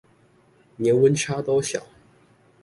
年溫差都小